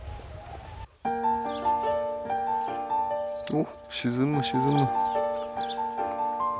おっ沈む沈む。